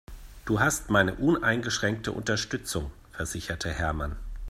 Du hast meine uneingeschränkte Unterstützung, versicherte Hermann.